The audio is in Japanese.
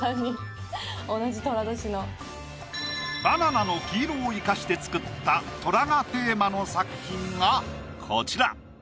バナナの黄色を生かして作った虎がテーマの作品がこちら。